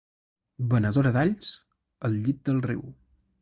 Venedora d'alls al llit del riu.